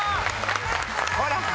ほら。